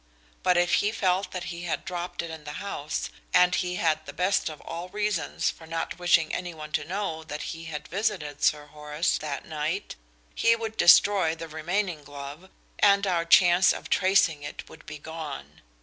But if he felt that he had dropped it in the house, and he had the best of all reasons for not wishing anyone to know that he had visited Sir Horace that night, he would destroy the remaining glove and our chance of tracing it would be gone.